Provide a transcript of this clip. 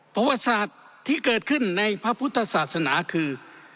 ประวัติศาสตร์ที่เกิดขึ้นในพระพุทธศาสนาคือ